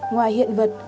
ngoài hiện vật